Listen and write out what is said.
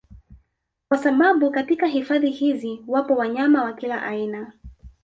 Kwa sababu katika hifadhi hizi wapo wanyama wa kila aina